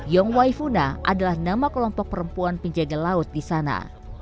yong waifuna adalah nama kelompok perempuan penjaga laut di sana